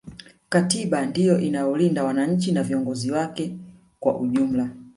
katiba ndiyo inayolinda wananchi na viongozi wake kwa ujumla